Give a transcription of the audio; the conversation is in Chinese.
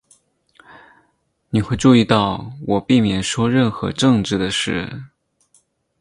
你会注意到我避免说任何政治的事。